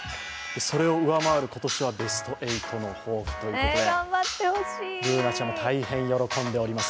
それを上回る今年はベスト８の抱負ということでＢｏｏｎａちゃんも大変、喜んでおります。